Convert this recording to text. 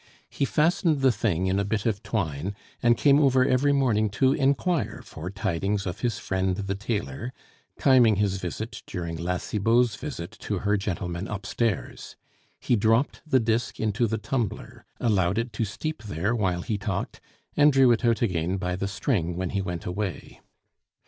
He fastened the thing in a bit of twine, and came over every morning to inquire for tidings of his friend the tailor, timing his visit during La Cibot's visit to her gentlemen upstairs. He dropped the disc into the tumbler, allowed it to steep there while he talked, and drew it out again by the string when he went away.